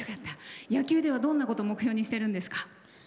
野球ではどんなこと目標にしてるんですか？